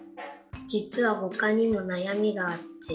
じつはほかにもなやみがあって。